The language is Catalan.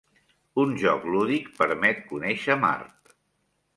Un joc lúdic permet conèixer Mart